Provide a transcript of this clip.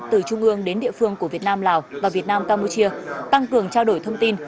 từ trung ương đến địa phương của việt nam lào và việt nam campuchia tăng cường trao đổi thông tin